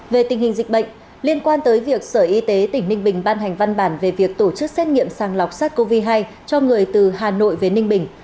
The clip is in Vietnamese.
về tình hình dịch bệnh liên quan tới việc sở y tế tỉnh ninh bình ban hành văn bản về việc tổ chức xét nghiệm sàng lọc sars cov hai cho người từ hà nội về ninh bình